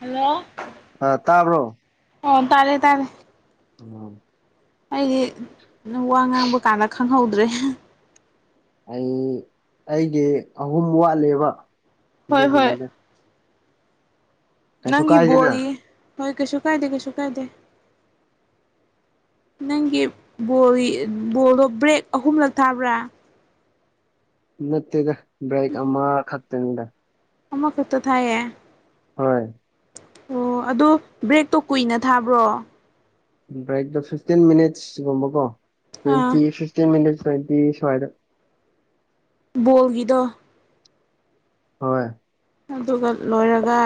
hello ꯑ ꯇꯥꯕ꯭ꯔꯣ ꯑꯣ ꯇꯥꯔꯦ ꯇꯥꯔꯦ ꯑ ꯑꯩꯗꯤ ꯅꯪ ꯋꯥ ꯉꯥꯡꯕ ꯀꯥꯟꯗ ꯈꯪꯍꯧꯗ꯭ꯔꯦ ꯑꯩ ꯑꯩꯒꯤ ꯑꯍꯨꯝ ꯋꯥꯠꯂꯕ ꯍꯣꯏ ꯍꯣꯏ ꯑꯗꯨꯒꯤꯅꯤꯗ ꯀꯩꯁꯨ ꯅꯪꯒꯤ ꯀꯥꯏꯗꯦꯅ ꯣꯜꯂꯤꯌꯦ ꯍꯣꯏ ꯀꯩꯁꯨ ꯀꯥꯏꯗꯦ ꯀꯩꯁꯨ ꯀꯥꯏꯗꯦ ꯅꯪꯒꯤ ꯕꯣꯜ ꯕꯣꯜꯗꯣ ꯕ꯭ꯔꯦꯛ ꯑꯍꯨꯝꯂꯛ ꯊꯥꯕ꯭ꯔꯥ ꯅꯠꯇꯦꯗ ꯕ꯭ꯔꯦꯛ ꯑꯃꯈꯛꯇꯅꯤꯗ ꯑꯃꯃ ꯀꯠꯇ ꯊꯥꯏꯌꯦ ꯍꯣꯏ ꯑꯣ ꯑꯗꯨꯣ ꯕ꯭ꯔꯦꯛꯇꯣ ꯀꯨꯏꯅ ꯊꯥꯕ꯭ꯔꯣ ꯭ꯔ ꯐꯤꯐꯇꯤꯟ ꯃꯤꯅꯤꯠꯁꯒꯨꯝꯕꯀꯣ ꯑꯥ ꯇ꯭ꯋꯦꯟꯇꯤ ꯐꯤꯇꯤꯟ ꯃꯤꯅꯤꯠ ꯁ꯭ꯋꯇꯤ ꯁꯋꯥꯗ ꯕꯣꯜꯒꯤꯗꯣ ꯍꯣꯏ ꯑꯗꯨꯒ ꯂꯣꯏꯔꯒ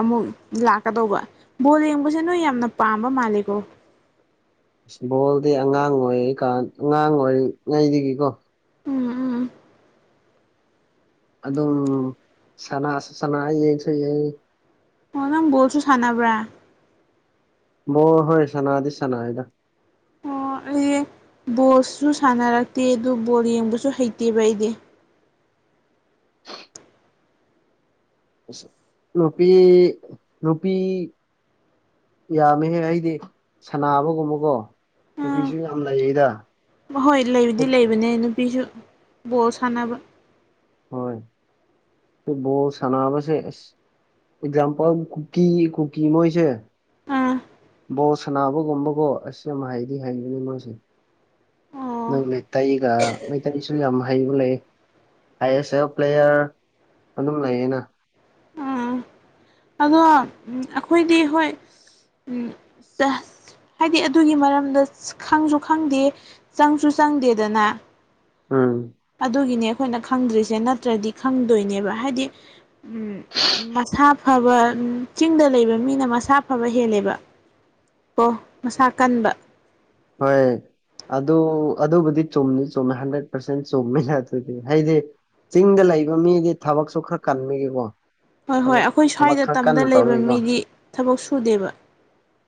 ꯑꯃꯨꯛ ꯂꯥꯛꯀꯗꯧꯕ ꯕꯣꯜ ꯌꯦꯡꯕꯁꯦ ꯅꯣꯏ ꯌꯥꯝꯅ ꯄꯥꯝꯕ ꯃꯥꯜꯂ ꯀꯦꯕꯨꯣ ꯑꯁ ꯕꯣꯜꯗꯤ ꯑꯉꯥꯡ ꯑꯣꯏꯔꯤ ꯀꯥꯟ ꯑꯉꯥꯡ ꯑꯣꯏꯔꯤꯉꯩꯗꯒꯤꯀꯣ ꯎꯝ ꯎꯝ ꯑꯗꯨꯝ ꯁꯅꯥꯁꯨ ꯁꯅꯥ ꯌꯦꯡꯁꯨ ꯌꯦ ꯍ ꯅꯪꯣꯁꯨ ꯁꯥꯟꯅꯕ꯭ꯔꯥ ꯑꯣꯣꯏ ꯍꯣꯏ ꯁꯅꯥꯗꯤ ꯁꯅꯥ ꯍꯥꯏꯗ ꯑꯣ ꯑ ꯕꯣꯜꯁꯨ ꯁꯥꯟꯅꯔꯛꯇꯦ ꯑꯗꯨ ꯕꯣꯜ ꯌꯦꯡꯕꯁꯨ ꯍꯩꯇꯦꯕ ꯑꯩꯗꯤ ꯔꯨꯄꯤ ꯔꯨꯄꯤꯄꯤ ꯌꯥꯝꯃꯦꯍꯦ ꯑꯩꯗꯤ ꯁꯕꯒꯨꯝꯕꯀꯣ ꯅꯨꯄꯤꯁꯨ ꯌꯥꯝ ꯂꯩꯌꯦꯗ ꯃꯈꯣꯏ ꯂꯩꯕꯨꯗꯤ ꯐꯨꯠ ꯂꯩꯕꯅꯦ ꯅꯨꯄꯤꯁꯨ ꯕꯣꯜ ꯁꯥꯟꯅꯕ ꯍꯣꯏ ꯣ ꯁꯅꯥꯁ ꯑꯦꯛꯖꯝꯄꯜ ꯀꯨꯀꯤ ꯀꯨꯀꯤꯃꯣꯏꯁ ꯑꯥ ꯕꯣ ꯁꯅꯥꯕꯒꯨꯝꯕꯀꯣ ꯑꯁꯤ ꯑꯃ ꯍꯥꯏꯩꯗꯤ ꯍꯩꯒꯅꯤ ꯃꯥꯁꯦ ꯑꯣ ꯅꯪ ꯃꯇꯩꯒ ꯃꯩꯇꯩꯁꯨ ꯌꯥꯝ ꯍꯩꯕ ꯂꯩ ꯑꯥꯏ ꯑꯦꯁ ꯑꯦꯐ ꯄ꯭ꯂꯦꯌꯔ ꯑꯗꯨꯝ ꯂꯩꯌꯦꯅ ꯑꯥ ꯑꯗꯣ ꯑꯩꯈꯣꯏꯗꯤ ꯍꯣꯏ ꯆ ꯍꯥꯏꯗꯤ ꯑꯗꯨꯒꯤ ꯃꯔꯝꯗ ꯈꯪꯁꯨ ꯈꯪꯗꯦ ꯆꯪꯁꯨ ꯆꯪꯗꯦꯗꯅ ꯎꯝ ꯑꯗꯨꯒꯤꯅꯦ ꯑꯩꯈꯣꯏꯅ ꯈꯪꯗ꯭ꯔꯤꯁꯦ ꯅꯠꯇ꯭ꯔꯗꯤ ꯈꯪꯗꯣꯏꯅꯦꯕ ꯍꯥꯏꯗꯤ ꯎꯝ ꯃꯁꯥ ꯐꯕ ꯆꯤꯡꯗ ꯂꯩꯕ ꯃꯤꯅ ꯃꯁꯥ ꯐꯕ ꯍꯦꯜꯂꯦꯕ ꯑꯣ ꯃꯁꯥ ꯀꯟꯕ ꯍꯣꯏ ꯑꯗꯨ ꯑꯗꯨꯕꯨꯗꯤ ꯆꯨꯝꯅꯤ ꯆꯨꯝꯃꯦ ꯍꯟꯗ꯭ꯔꯦꯠ ꯄꯥꯔꯁꯦꯟ ꯆꯨꯝꯃꯦ ꯑꯗꯨꯗꯤ ꯍꯥꯏꯗꯤ ꯆꯤꯡꯗ ꯂꯩꯕ ꯃꯤꯗꯤ ꯊꯕꯛꯁꯨ ꯈꯔ ꯀꯟꯕꯒꯤꯀꯣ ꯍꯣꯏ ꯍꯣꯏ ꯊꯕꯛ ꯑꯩꯈꯣꯏ ꯊꯕꯛ ꯁ꯭ꯋꯥꯏꯗ ꯈꯔ ꯇꯝꯗ ꯀꯟꯅ ꯂꯩꯕ ꯇꯧꯕꯒꯤꯀꯣ ꯃꯤꯗꯤ ꯊꯕꯛ ꯁꯨꯗꯦꯕ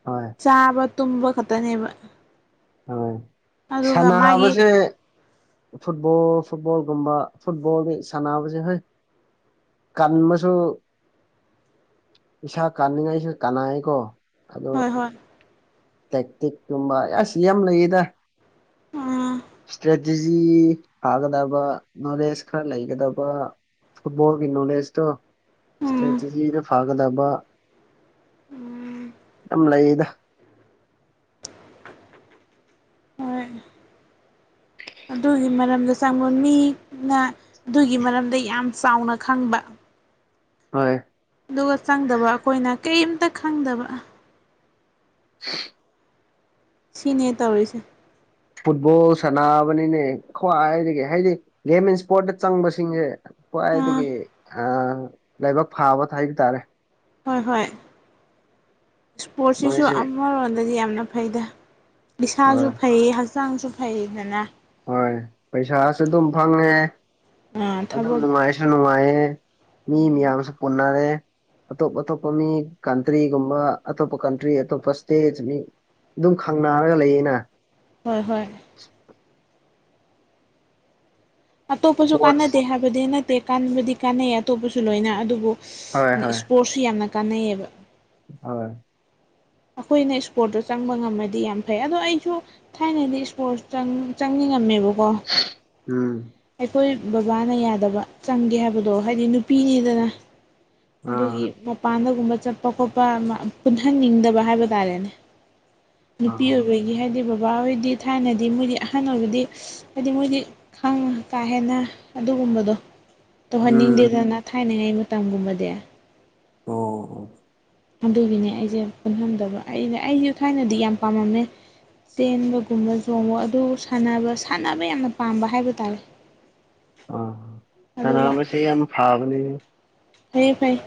ꯍꯣꯏ ꯆꯥꯕ ꯇꯨꯝꯕ ꯈꯛꯇꯅꯦꯕ ꯍꯣꯏ ꯑꯗꯨꯒ ꯃꯥꯒꯤ ꯁꯥꯟꯅꯕꯁꯦ ꯐꯨꯠꯕꯣꯜ ꯐꯨꯠꯕꯣꯜꯒꯨꯝꯕ ꯐꯨꯠꯕꯣꯜꯒꯤ ꯁꯥꯟꯅꯕꯁꯦ ꯍꯣꯏ ꯀꯟꯕꯁꯨ ꯏꯁꯥ ꯀꯥꯟꯅꯤꯡꯉꯥꯏꯁꯨ ꯀꯥꯟꯅꯩꯌꯦꯀꯣ ꯍꯣꯏ ꯍꯣꯏ ꯇꯛ ꯇꯦꯛ ꯇꯨꯝꯕ ꯑꯁ ꯁꯤ ꯌꯥꯝ ꯂꯩꯌꯦꯗ ꯎꯝ ꯏꯁꯇ꯭ꯔꯦꯇꯤꯖꯤ ꯊꯥꯒꯗꯕ ꯅꯣꯂꯦꯖ ꯈꯔ ꯂꯩꯒꯗꯕ ꯐꯨꯠꯕꯣꯜꯒꯤ ꯅꯣꯂꯦꯖꯇꯣ ꯎꯝ ꯏꯁꯇ꯭ꯔꯦꯇꯖꯤꯗ ꯐꯒꯗꯕ ꯎꯝ ꯌꯥꯝ ꯂꯩꯌꯦꯗ ꯎꯝ [inaudible] ꯑꯗꯨꯒꯤ ꯃꯔꯝꯗ ꯆꯪꯕ ꯃꯤꯅ ꯑꯗꯨꯒꯤ ꯃꯔꯝꯗ ꯌꯥꯝ ꯆꯥꯎꯅ ꯈꯪꯕ ꯍꯣꯏ ꯑꯗꯨꯒ ꯆꯪꯗꯕ ꯑꯩꯈꯣꯏꯅ ꯀꯩꯝꯇ ꯈꯪꯗꯕ [inaudible] ꯁꯤꯅꯦ ꯇꯧꯔꯤꯁꯦ ꯐꯨꯠꯕꯣꯜ ꯁꯥꯟꯅꯕꯅꯤꯅꯦ ꯈ꯭ꯋꯥꯏꯗꯒꯤ ꯍꯥꯏꯗꯤ ꯒꯦꯝ ꯑꯦꯟ ꯏꯁꯄꯣꯔꯠꯇ ꯆꯪꯕꯁꯤꯡꯁꯦ ꯑꯥ ꯈ꯭ꯋꯥꯏꯗꯒꯤ ꯂꯥꯏꯕꯛ ꯐꯥꯕ ꯍꯥꯏꯕ ꯇꯥꯔꯦ ꯍꯣꯏ ꯍꯣꯏ ꯏꯁꯄꯣꯔꯠꯁꯤꯁꯨ ꯃꯣꯏꯁꯦ ꯑꯃꯔꯣꯝꯗꯗꯤ ꯌꯥꯝꯅ ꯐꯩꯗ ꯍꯣꯏ ꯏꯁꯥꯁꯨ ꯐꯩ ꯍꯥꯛꯆꯥꯡꯁꯨꯨ ꯐꯩꯗꯅꯥ ꯍꯣꯏ ꯄꯩꯁꯥꯁꯨ ꯑꯗꯨꯝ ꯐꯪꯉꯦ ꯑꯗꯨꯝ ꯊꯕꯛ ꯅꯨꯡꯉꯥꯏꯁꯨ ꯅꯨꯡꯉꯥꯏꯌꯦ ꯃꯤ ꯃꯌꯥꯝꯁꯨ ꯄꯨꯟꯅꯔꯦ ꯑꯇꯣꯞ ꯑꯇꯣꯞꯄ ꯃꯤ ꯀꯟꯇ꯭ꯔꯤꯒꯨꯝꯕ ꯑꯇꯣꯞꯄ ꯀꯟꯇ꯭ꯔꯤ ꯑꯇꯣꯞꯄ ꯏꯁꯇꯦꯠ ꯃꯤ ꯑꯗꯨꯝ ꯈꯪꯅꯔꯒ ꯂꯩꯌꯦꯅ ꯍꯣꯏ ꯍꯣꯏ ꯑꯇꯣꯞꯄꯁꯨ ꯏꯁꯄꯣꯔꯠꯁ ꯀꯥꯟꯅꯗꯦ ꯍꯥꯏꯕꯗꯤ ꯅꯠꯇꯦ ꯀꯥꯟꯕꯨꯗꯤ ꯀꯥꯟꯅꯩꯌꯦ ꯑꯇꯣꯞꯄꯁꯨ ꯂꯣꯏꯅ ꯑꯗꯨꯕꯨ ꯍꯣꯏ ꯍꯣꯏ ꯏꯁꯄꯣꯔꯠꯁꯨ ꯌꯥꯝꯅ ꯀꯥꯟꯅꯩꯌꯦꯕ ꯍꯣꯏ ꯑꯩꯈꯣꯏꯅ ꯏꯁꯄꯣꯔꯠꯇꯣ ꯆꯪꯕ ꯉꯝꯃꯗꯤ ꯌꯥꯝ ꯐꯩ ꯑꯗꯣ ꯑꯩꯁꯨ ꯊꯥꯏꯅꯗꯤ ꯏꯁꯄꯣꯔꯠ ꯆꯪꯅꯤꯡꯉꯝꯃꯦꯕꯀꯣ ꯎꯝ ꯑꯩꯈꯣꯏ ꯕꯕꯥꯅ ꯌꯥꯗꯕ ꯆꯪꯒꯦ ꯍꯥꯏꯕꯗꯣ ꯍꯥꯏꯗꯤ ꯅꯨꯄꯤꯅꯤꯗꯅ ꯑꯥ ꯑꯗꯨꯒꯤ ꯃꯄꯥꯟꯗꯒꯨꯝꯕ ꯆꯠꯄ ꯈꯣꯠꯄ ꯄꯨꯟꯍꯟꯅꯤꯡꯗꯕ ꯍꯥꯏ ꯇꯥꯔꯦꯅꯦ ꯅꯨꯄꯤ ꯑꯥ ꯑꯣꯏ ꯍꯥꯏꯗꯤ ꯕꯕꯥ ꯍꯣꯏꯗꯤ ꯊꯥꯏꯅꯗꯤ ꯃꯣꯏꯗꯤ ꯑꯍꯟ ꯑꯣꯏꯕꯗꯤ ꯍꯥꯏꯗꯤ ꯃꯣꯏꯗꯤ ꯈꯥꯡ ꯀꯥ ꯍꯦꯟꯅ ꯑꯗꯨꯝ ꯑꯗꯨꯒꯨꯝꯕꯗꯣ ꯎꯝ ꯇꯧꯍꯟꯅꯤꯡꯗꯦꯗꯅ ꯊꯥꯏꯅꯉꯩ ꯃꯇꯝꯒꯨꯝꯕꯗꯤ ꯑꯣ ꯑꯗꯨꯒꯤꯅꯦ ꯑꯩꯁꯦ ꯄꯨꯟꯐꯝꯗꯕ ꯑꯩꯅ ꯑꯩꯁꯦ ꯊꯥꯏꯅꯗꯤ ꯌꯥꯝ ꯄꯥꯝꯃꯝꯃꯦ ꯆꯦꯟꯕꯒꯨꯝꯕ ꯆꯣꯡꯕ ꯑꯗꯨ ꯁꯥꯟꯅꯕ ꯁꯥꯟꯅꯕ ꯌꯥꯝꯅ ꯄꯥꯝꯕ ꯍꯥꯏꯕ ꯇꯥꯔꯦ ꯑ ꯑꯗꯨꯒ ꯀꯅꯥꯕꯁꯦ ꯌꯥꯝ ꯐꯥꯕꯅꯦ ꯐꯩꯌꯦ ꯐꯩꯌꯦ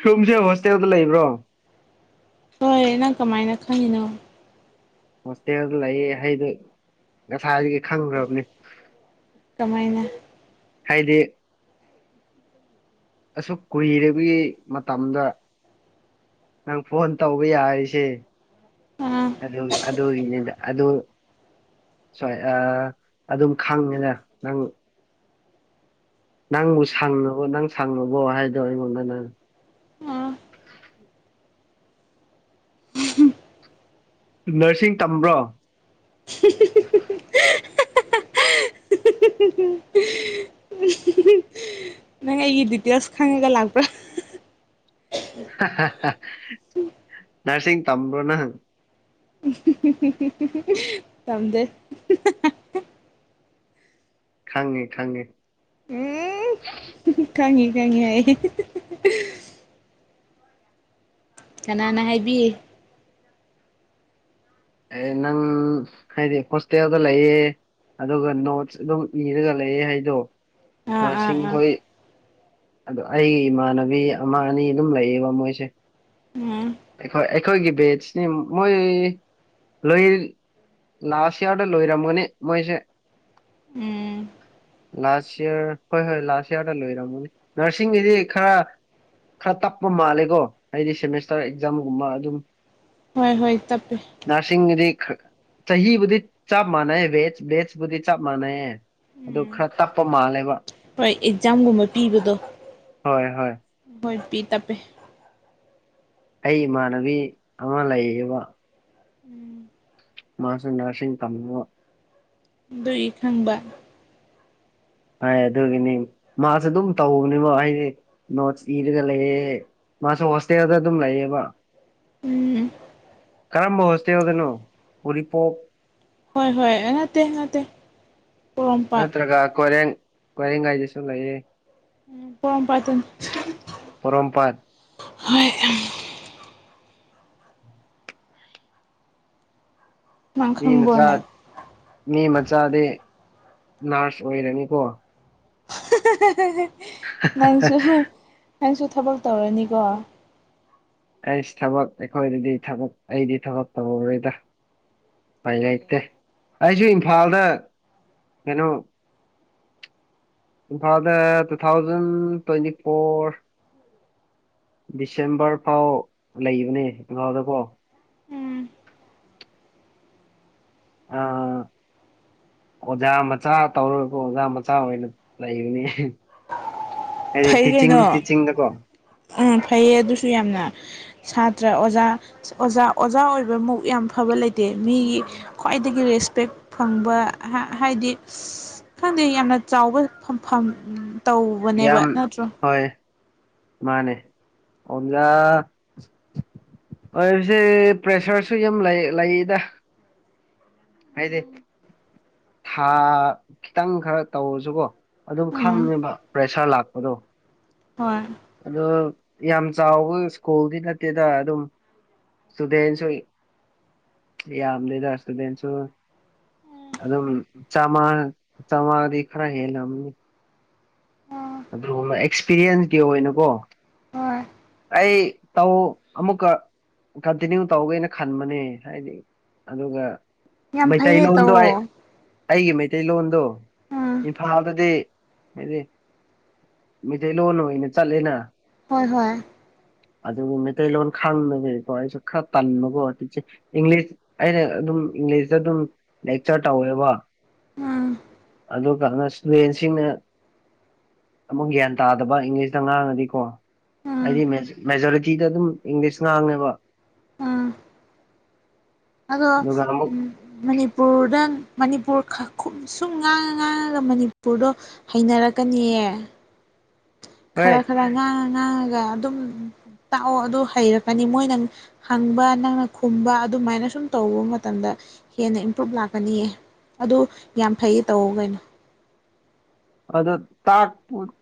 ꯁꯨꯝꯁꯦ ꯍꯣꯁꯇꯦꯜꯗ ꯂꯩꯕ꯭ꯔꯣ ꯍꯣꯏ ꯅꯪ ꯀꯃꯥꯏꯅ ꯈꯪꯉꯤꯅꯣ ꯍꯣꯁꯇꯦꯜ ꯂꯩ ꯑꯩꯩꯗꯨꯣ ꯉꯁꯥꯏꯗꯒꯤ ꯈꯪꯈ꯭ꯔꯕꯅꯤ ꯀꯃꯥꯏꯅ ꯍꯥꯏꯗꯤ ꯑꯁꯨꯛ ꯀꯨꯏꯒꯤ ꯃꯇꯝꯗ ꯅꯪ ꯐꯣꯟ ꯇꯧꯕ ꯌꯥꯔꯤꯁꯦ ꯑꯥ ꯑꯗꯨꯒꯤꯅꯤꯗ ꯑꯗꯨ ꯁꯣꯏ ꯑꯗꯨꯝ ꯈꯪꯉꯦꯅꯦ ꯅꯪ ꯅꯪꯕꯨ ꯁꯥꯡꯅꯕꯕ ꯅꯪ ꯁꯥꯡꯅꯕꯕꯣ ꯍꯥꯏꯗꯣ ꯑꯩꯃꯣꯟ ꯃꯅꯨꯡꯅ [inaudible] ꯑꯥ ꯅꯔꯁꯤꯡ ꯇꯝꯕ꯭ꯔꯣ ꯅꯪ ꯑꯩꯒꯤ ꯗꯤꯇꯦꯜꯁ ꯈꯪꯉꯒ ꯂꯥꯛꯄ꯭ꯔꯥ ꯅꯔꯁꯤ ꯇꯝꯕ꯭ꯔꯣꯅ ꯇꯝꯗꯦ ꯈꯪꯉꯤ ꯈꯪꯉꯤ ꯎꯝ ꯈꯪꯉꯤ ꯈꯉꯤ ꯍꯥꯏ ꯀꯅꯥꯅ ꯍꯥꯏꯕꯤ ꯑꯦ ꯅꯪ ꯍꯥꯏꯗꯤ ꯍꯣꯁꯇꯦꯜꯗ ꯂꯩꯌꯦ ꯑꯗꯨꯒ ꯅꯣꯠꯁ ꯑꯗꯨꯝ ꯏꯔꯒ ꯂꯩꯌꯦ ꯍꯥꯏꯗꯣ ꯑꯥ ꯑꯥ ꯅꯣꯠꯁꯤꯡ ꯑꯥ ꯍꯣꯏ ꯑꯗꯣ ꯑꯩꯒꯤ ꯏꯃꯥꯟꯅꯕꯤ ꯑꯃ ꯑꯅꯤ ꯑꯗꯨꯝ ꯂꯩꯌꯦꯕ ꯃꯣꯏꯁꯦ ꯎꯝ ꯈꯣꯏ ꯑꯩꯈꯣꯏꯒꯤ ꯕꯦꯠꯁꯤꯅꯤ ꯃꯣꯏ ꯂꯣꯏ ꯂꯥꯁꯥꯁ ꯌꯥꯌꯥꯔꯗ ꯂꯣꯏꯔꯃꯅꯦ ꯃꯁꯦ ꯎꯝ ꯂꯥꯁ ꯏꯌꯥꯔ ꯍꯣꯏ ꯍꯣꯏ ꯂꯥꯁ ꯏꯌꯥꯔꯗ ꯂꯣꯏꯔꯝꯃꯅꯤ ꯅꯔꯁꯤꯡꯒꯤꯗꯤ ꯈꯔ ꯈꯔ ꯇꯞꯄ ꯃꯥꯜꯂꯦꯀꯣ ꯍꯥꯏꯗꯤ ꯁꯦꯃꯦꯁꯇꯔ ꯑꯦꯛꯖꯥꯝꯒꯨꯝꯕ ꯑꯗꯨꯝ ꯍꯣꯏ ꯍꯣꯏ ꯇꯄꯤꯦ ꯅꯔꯁꯤꯡꯒꯤꯗꯤ ꯆꯍꯤꯕꯨꯗꯤ ꯆꯞ ꯃꯥꯟꯅꯩ ꯕꯦꯖ ꯕꯦꯖꯕꯨꯗꯤ ꯆꯞ ꯃꯥꯟꯅꯩꯌꯦ ꯑꯗꯨ ꯎꯝ ꯈꯔ ꯇꯞꯄ ꯃꯥꯜꯂꯦꯕ ꯍꯣꯏ ꯑꯦꯛꯖꯥꯝꯒꯨꯝꯕ ꯄꯤꯕꯗꯣ ꯍꯣꯏ ꯍꯣꯏ ꯍꯣꯏ ꯇꯄꯤ ꯇ ꯄꯦ ꯑꯩ ꯏꯃꯥꯟꯅꯕꯤ ꯑꯃ ꯂꯩꯌꯦꯕ ꯎꯝ ꯃꯥꯁ ꯅꯔꯁꯤꯡꯤꯡ ꯀꯝꯣ ꯑꯗꯨꯏ ꯈꯪꯕ ꯍꯥꯏ ꯑꯗꯨꯒꯤꯅꯤ ꯃꯥꯁꯦ ꯑꯗꯨꯝ ꯇꯧꯕꯅꯤꯃꯣ ꯍꯥꯏꯗꯤ ꯅꯣꯠꯁ ꯏꯔꯒ ꯂꯩꯌꯦ ꯃꯥꯁꯨ ꯍꯣꯁꯇꯦꯜꯗ ꯑꯗꯨꯝ ꯂꯩꯌꯦꯕ ꯎꯝ ꯀꯔꯝꯕ ꯍꯣꯁꯇꯦꯜꯗꯅꯣ ꯎꯔꯤꯄꯣꯛ ꯍꯣꯏ ꯍꯣꯏ ꯅꯠꯇ ꯅꯠꯇꯦ ꯄꯣꯔꯣꯝꯄꯥꯠ ꯅꯠꯇ꯭ꯔꯒ ꯀꯣꯏꯔꯦꯡ ꯀꯣꯏꯔꯦꯡꯒꯥꯏꯗꯁꯨ ꯂꯩꯌꯦ ꯎꯝ ꯄꯣꯔꯣꯃ ꯄꯥꯠꯇꯅꯤ ꯄꯣꯔꯣꯝꯄꯥꯠ ꯅꯪ ꯃꯤ ꯃꯆꯥꯥ ꯈꯪꯕ꯭ꯔꯣꯅꯦ ꯃꯤ ꯃꯆꯥꯥꯗꯦ ꯅꯔꯁ ꯑꯣꯏꯔꯅꯤꯀꯣ ꯍ [unintelligible] [unintelligible] [inaudible] ꯅꯪꯁꯨ ꯊꯕꯛ ꯇꯧꯔꯅꯤꯀꯣ ꯑꯩꯁ ꯊꯕꯛ ꯑꯩꯈꯣꯏꯗꯗꯤ ꯊꯕꯛ ꯑꯩꯗꯤ ꯊꯕ ꯇꯧꯔꯔꯣꯏꯗ ꯐꯩ ꯂꯩꯇꯦ ꯑꯩꯁꯨ ꯏꯝꯐꯥꯜꯗ ꯀꯩꯅꯣ ꯏꯝꯐꯥꯗ two thousand twenty four December ꯐꯥꯎ ꯂꯩꯕꯅꯦ ꯏꯪꯐꯥꯜꯗꯀꯣ [unintelligible] ꯑꯥ ꯑꯣꯖꯥ ꯃꯆꯥ ꯇꯧꯔꯒ ꯑꯣꯖꯥ ꯃꯆꯥ ꯑꯣꯏꯅ ꯂꯩꯕꯅꯤ ꯑꯗꯨꯗꯤ ꯐꯩ ꯇꯤꯆꯤꯡ ꯀꯩꯅꯣ ꯇꯤꯆꯤꯡꯗꯀꯣ ꯎꯝ ꯐꯩꯌꯦ ꯑꯗꯨꯁꯨ ꯌꯥꯝꯅ ꯁꯥꯇ꯭ꯔ ꯑꯣꯖꯥ ꯑꯣꯖꯥ ꯑꯣꯖꯥ ꯑꯣꯏꯕꯃꯨꯛ ꯌꯥꯝ ꯐꯕ ꯂꯩꯇꯦ ꯃꯤꯒꯤ ꯈ꯭ꯋꯥꯏꯗꯒꯤ ꯔꯦꯁꯄꯦꯛ ꯐꯪꯕ ꯍꯥꯏꯗꯤ ꯈ ꯈꯪꯗꯦ ꯌꯥꯝꯅ ꯆꯥꯎꯕ ꯐꯝꯐꯝ ꯇꯧꯕꯅꯦꯕ ꯌꯥꯝ ꯅꯠꯇ꯭ꯔꯣ ꯍꯣꯏ ꯃꯥꯅꯦ ꯑꯣꯖꯥ ꯑꯣꯏꯁꯦ ꯄ꯭ꯔꯦꯁꯔꯁꯨ ꯌꯥꯝ ꯂꯩ ꯂꯩꯗ ꯍꯥꯏꯗꯤ ꯊꯥ ꯈꯤꯇꯪ ꯈꯔ ꯇꯧꯔꯁꯨꯀꯣ ꯑꯗꯨꯝ ꯎꯝ ꯈꯪꯉꯦꯕ ꯄ꯭ꯔꯦꯁꯔ ꯂꯥꯛꯄꯗꯣ ꯑꯗꯣ ꯌꯥꯝ ꯆꯥꯎꯕ ꯁ꯭ꯀꯨꯜꯗꯤ ꯅꯠꯇꯦꯗ ꯑꯗꯨꯝ ꯏꯁꯇꯨꯗꯦꯟꯁꯨ ꯌꯥꯝꯗꯦꯗ ꯏꯁꯇꯨꯗꯦꯜꯁꯨ ꯑꯗꯨꯝ ꯆꯥꯃꯉꯥ ꯆꯥꯝꯃꯉꯥꯗꯤ ꯈꯔ ꯍꯦꯜꯂꯂꯝꯅꯤ ꯑꯗꯨꯒꯅ ꯑꯦꯛꯁꯄꯤꯔꯤꯌꯦꯟꯁꯀꯤ ꯑꯣꯏꯅꯀꯣ ꯍꯣꯏ ꯑꯩ ꯇꯧ ꯑꯃꯨꯀ ꯀꯟꯇꯤꯅ꯭ꯌꯨ ꯇꯧꯒꯦꯩꯅ ꯈꯟꯕꯅꯦ ꯍꯥꯏꯗꯤ ꯑꯗꯨꯒ ꯌꯥꯝ ꯃꯩ ꯇꯩ ꯐꯩꯌꯦ ꯂꯣꯜꯗꯣ ꯑꯩ ꯇꯧꯑꯣ ꯑꯩꯒꯤ ꯃꯩꯇꯩꯂꯣꯟꯗꯣ ꯎꯝ ꯏꯝꯐꯥꯜꯗꯗꯤ ꯍꯥꯏꯗꯤ ꯃꯤꯇꯩꯇꯩꯩꯂꯣꯟꯣꯟ ꯑꯣꯏꯅ ꯆꯠꯂꯦꯅ ꯍꯣꯏ ꯍꯣꯏ ꯑꯗꯨꯕꯨ ꯃꯩꯇꯩꯂꯣꯟ ꯈꯪꯗꯕꯤꯀꯣ ꯑꯩꯁꯨ ꯈꯔ ꯇꯟꯕꯒꯣ ꯏꯪꯂꯤꯁ ꯑꯩꯅ ꯏꯪꯂꯤꯁꯇ ꯑꯗꯨꯝ ꯂꯦꯛꯆꯔ ꯇꯧꯋꯦꯕ ꯎꯝ ꯑꯗꯨꯒ ꯏꯁꯇꯨꯗꯦꯟꯁꯤꯡꯅ ꯑꯃꯨꯛ ꯒ꯭ꯌꯥꯟ ꯇꯥꯗꯕ ꯏꯪꯂꯤꯁꯇ ꯉꯥꯡꯉꯗꯤꯀꯣ ꯎꯝ ꯍꯥꯏꯗꯤ ꯃꯦꯖꯣꯔꯤꯇꯤꯗ ꯑꯗꯨꯝ ꯏꯪꯂꯤꯁ ꯉꯥꯡꯉꯦꯕ ꯎꯝ ꯑꯗꯣ ꯑꯗꯨꯒ ꯑꯃꯨꯛ ꯎꯝ ꯃꯅꯤꯄꯨꯔꯗ ꯃꯅꯤꯄꯨꯔ ꯁꯨꯝ ꯉꯥꯡꯉ ꯉꯥꯡꯉꯒ ꯃꯅꯤꯄꯨꯔꯗꯣ ꯍꯩꯅꯔꯛꯀꯅꯤꯌꯦ ꯍꯣꯏ ꯈꯔ ꯈꯔ ꯉꯥꯡꯉ ꯉꯥꯡꯉꯒ ꯑꯗꯨꯝ ꯇꯥꯛꯑꯣ ꯑꯗꯨ ꯍꯩꯔꯛꯀꯅꯤ ꯃꯣꯏ ꯅ ꯍꯪꯕ ꯅꯪꯅ ꯈꯨꯝꯕ ꯑꯗꯨꯃꯥꯏꯅ ꯁꯨꯝ ꯇꯧꯕ ꯃꯇꯝꯗ ꯍꯦꯟꯅ ꯏꯝꯄ꯭ꯔꯨꯨꯞ ꯂꯥꯛꯀꯅꯤꯌꯦ ꯑꯗꯨ ꯌꯥꯝ ꯐꯩ ꯇꯧ ꯀꯩꯅꯣ ꯑꯗꯨꯥꯛꯄ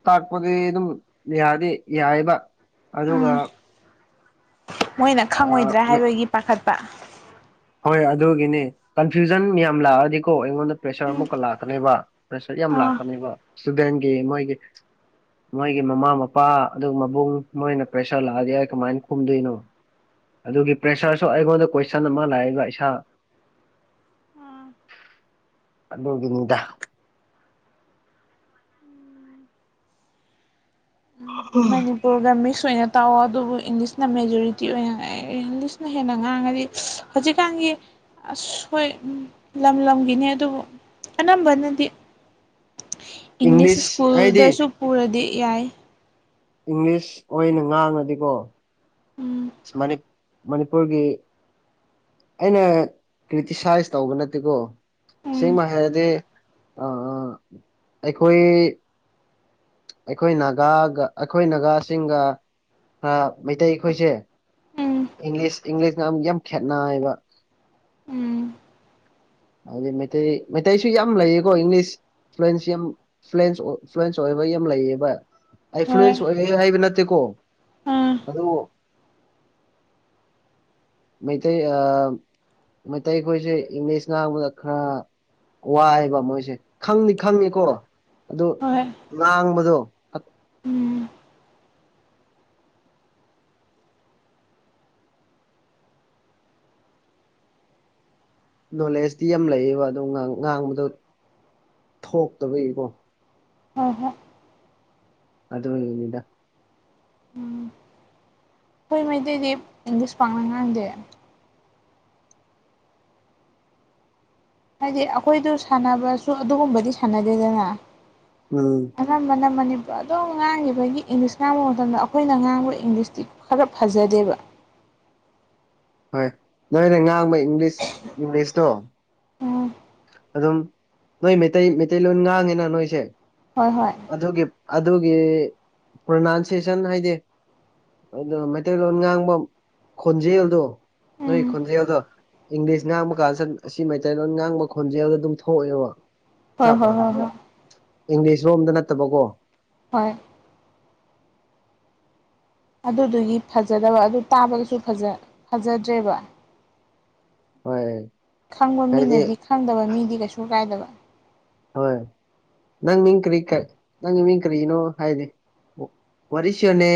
ꯇꯥꯛꯄꯗꯤ ꯑꯗꯨꯝ ꯌꯥꯅꯤ ꯌꯥꯏꯕ ꯑꯗꯨꯒ ꯎꯝ ꯃꯣꯏꯅ ꯑ ꯈꯪꯉꯣꯏꯗ꯭ꯔꯥ ꯍꯥꯏꯕꯒꯤ ꯄꯥꯈꯠꯄ ꯍꯣꯏ ꯑꯗꯨꯒꯤꯅꯤ ꯀꯟꯐ꯭ꯌꯨꯖꯟ ꯌꯥꯝ ꯂꯥꯛꯑꯗꯤꯀꯣ ꯑꯩꯉꯣꯟꯗ ꯄ꯭ꯔꯦꯁꯔ ꯎꯝ ꯑꯃꯨꯛꯀ ꯂꯥꯛꯀꯅꯦꯕ ꯄ꯭ꯔꯦꯁꯔ ꯌꯥꯝ ꯑꯥ ꯂꯥꯛꯀꯅꯦꯕ ꯏꯁꯇꯨꯗꯦꯟꯒꯤ ꯃꯣꯏꯒꯤ ꯃꯣꯏꯒꯤ ꯃꯃꯥ ꯃꯄꯥ ꯑꯗꯨꯒ ꯃꯕꯨꯡ ꯃꯣꯏꯅ ꯄ꯭ꯔꯦꯁꯔ ꯂꯥꯛꯑꯗꯤ ꯑꯩ ꯀꯃꯥꯏꯅ ꯀꯨꯝꯗꯣꯏꯅꯣ ꯑꯗꯨꯒꯤ ꯄ꯭ꯔꯦꯁꯔꯁꯨ ꯑꯩꯉꯣꯟꯗ ꯀꯣꯏꯁꯟ ꯑꯃ ꯂꯥꯛꯏꯕ ꯏꯁꯥ ꯑꯥ ꯑꯗꯨꯒꯤꯅꯤꯗ ꯃꯅꯤꯄꯨꯔꯒꯝꯃꯤ ꯁꯣꯏꯅ ꯇꯥꯎꯋ ꯑꯗꯨꯕꯨ ꯏꯪꯂꯤꯁꯅ ꯃꯦꯖꯣꯔꯤꯇꯤ ꯑꯣꯏꯅ ꯏꯪꯂꯤꯁꯅ ꯍꯦꯟꯅ ꯉꯥꯡꯉꯗꯤ ꯍꯧꯖꯤꯛꯀꯥꯟꯒꯤ ꯑꯁꯣꯏ ꯂꯝ ꯂꯝꯒꯤꯅꯤ ꯑꯗꯨꯕꯨ ꯑꯅꯝꯕꯅꯗꯤ ꯏꯪꯂꯤꯁ ꯁ꯭ꯀꯨꯜꯗꯁꯨ ꯄꯨꯔꯗꯤ ꯌꯥꯏ ꯏꯪꯂꯤꯁ ꯑꯣꯏꯅ ꯉꯥꯡꯉꯗꯤꯀꯣ ꯎꯝ ꯃꯅꯤꯄꯨꯔꯒꯤ ꯑꯩꯅ ꯀ꯭ꯔꯤꯇꯤꯁꯥꯏꯁ ꯇꯧꯕ ꯅꯠꯇꯦꯀꯣ ꯎꯝ ꯁꯤꯃ ꯍꯥꯏꯔꯗꯤ ꯑꯩꯈꯣꯏ ꯑꯩꯈꯣꯏ ꯅꯥꯒꯥꯒ ꯑꯩꯈꯣꯏ ꯅꯥꯒꯥꯁꯤꯡꯒ ꯈꯔ ꯃꯩꯇꯩ ꯑꯩꯈꯣꯏꯁꯦ ꯎꯝ ꯏꯪꯂꯤꯁ ꯏꯪꯂꯤꯁꯅꯛ ꯌꯥꯝ ꯈꯦꯠꯅ ꯍꯥꯏꯕ ꯎꯝ ꯍꯥꯏꯗꯤ ꯃꯩꯇꯩ ꯃꯩꯇꯩꯁꯨ ꯌꯥꯝ ꯂꯩꯌꯦꯀꯣ ꯏꯪꯂꯤꯁ ꯐ꯭ꯂꯨꯋꯟꯁ ꯌꯥꯝ ꯐ꯭ꯂꯟꯁ ꯐ꯭ꯂ ꯑꯣꯏ ꯌꯥꯝ ꯂꯩ꯭ꯂ ꯍꯣꯏ ꯑꯣꯏ ꯍꯥꯏꯕ ꯅꯠꯇ ꯇꯀꯣ ꯑꯥ ꯑꯗꯨ ꯃꯩꯇꯩ ꯃꯩꯇꯩ ꯑꯩꯈꯣꯏꯁꯦ ꯏꯪꯂꯤꯁ ꯉꯥꯡꯕꯗ ꯈꯔ ꯋꯥꯏꯑꯕ ꯃꯣꯏꯁꯦ ꯈꯪꯅꯤ ꯈꯪꯉꯦꯀꯣ ꯑꯗꯨ ꯍꯣꯏ ꯇꯥꯡꯕꯗꯣ ꯎꯝ ꯅꯣꯂꯦꯖꯇꯤ ꯌꯥꯝ ꯂꯩꯌꯦꯕ ꯑꯗꯨꯣ ꯉꯥꯡꯕꯗꯣ ꯊꯣꯛꯇꯕꯒꯤꯀꯣ ꯍꯣ [inaudible] ꯑꯗ ꯌꯦꯅꯤꯗ ꯍꯣꯏ ꯃꯩꯇꯩꯗꯤ ꯏꯪꯂꯤꯁ ꯄꯥꯡꯅ ꯉꯥꯡꯗꯦ ꯍꯥꯏꯗꯤ ꯑꯩꯈꯣꯏꯗ ꯁꯥꯟꯅꯕꯁꯨ ꯑꯗꯨꯒꯨꯝꯕꯗꯤ ꯁꯥꯟꯅꯗꯦꯗꯅ ꯎꯝ ꯃꯅ ꯃꯅ ꯃꯅꯤ ꯑꯗ ꯑꯗꯨꯝ ꯉꯥꯡꯉꯤꯕꯒꯤ ꯏꯪꯂꯤꯁ ꯉꯥꯡꯕ ꯃꯇꯝꯗ ꯑꯩꯈꯣꯏꯅ ꯉꯥꯡꯕ ꯏꯪꯂꯤꯁꯇꯤ ꯈꯔ ꯐꯖꯗꯦꯕ ꯍꯣꯏ ꯅꯣꯏꯅ ꯉꯥꯡꯕ ꯏꯪꯂꯤꯁ ꯏꯪꯂꯤꯁꯇꯣ ꯎꯝ ꯑꯗꯨꯝ ꯅꯣꯏ ꯃꯩꯇꯩ ꯃꯩꯇꯩꯂꯣꯟ ꯉꯥꯡꯉꯤꯅ ꯅꯣꯏꯁꯦ ꯍꯣꯏ ꯍꯣꯏ ꯑꯗꯨꯒꯤ ꯑꯗꯨꯒꯤ ꯄ꯭ꯔꯣꯅꯥꯟꯁꯤꯌꯦꯁꯟ ꯍꯥꯏꯗꯤ ꯑꯗꯣ ꯃꯩꯇꯩꯂꯣꯟ ꯉꯥꯡꯕ ꯈꯣꯟꯖꯦꯜꯗꯣ ꯅꯣꯏ ꯎꯝ ꯈꯣꯟꯖꯦꯜꯗꯣ ꯏꯪꯂꯤꯁ ꯉꯥꯡꯕ ꯀꯥꯟ ꯁꯗ ꯑꯁꯤ ꯃꯩꯇꯩꯂꯣꯟ ꯉꯥꯡꯕ ꯈꯣꯟꯖꯦꯜꯗ ꯑꯗꯨꯝ ꯊꯣꯛꯑꯦꯕ ꯍꯣꯏ ꯆꯞ ꯍꯣꯏ ꯍꯣꯏ ꯃꯥꯟꯅꯅ ꯍ ꯏꯪꯂꯤꯁ ꯔꯣꯝꯗ ꯅꯠꯇꯕꯀꯣ ꯍꯣꯏ ꯑꯗꯨꯗꯨꯒꯤ ꯐꯖꯗꯕ ꯑꯗꯨ ꯇꯥꯕꯗꯁꯨ ꯐꯖꯗ꯭ꯔꯦꯕ ꯍꯣꯏ ꯈꯪꯕ ꯍꯥꯏꯗꯤ ꯃꯤꯅꯗꯤ ꯈꯪꯗꯕ ꯃꯤꯗꯤ ꯀꯩꯁꯨ ꯀꯥꯏꯗꯕ ꯍꯣꯏ ꯅꯪ ꯃꯤꯡ ꯀꯔꯤ ꯀ ꯅꯪꯒꯤ ꯃꯤꯡ ꯀꯔꯤꯅꯣ ꯍꯥꯏꯗꯤ ꯄꯔꯤꯁꯣꯅꯦ